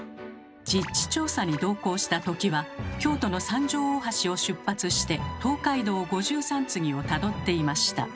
実地調査に同行した土岐は京都の三条大橋を出発して東海道五十三次をたどっていました。